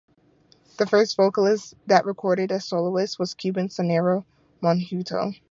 The first vocalist that recorded as a soloist was Cuban sonero Monguito.